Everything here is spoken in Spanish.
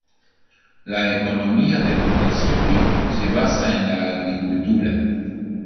La economía del municipio se basa en la agricultura.